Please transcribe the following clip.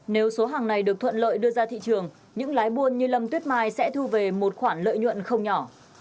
nếu số hàng này được thuận lợi đưa ra thị trường những lái buôn như lâm tuyết mai sẽ thu về một khoản lợi nhuận không nhỏ